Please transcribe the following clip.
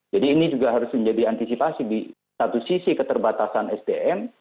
jadi ini juga harus menjadi antisipasi di satu sisi keterbatasan sdm